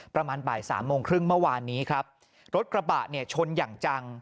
ประมาณบ่ายสามโมงครึ่งเมื่อวานนี้ครับรถกระบะเนี่ยชนอย่างจัง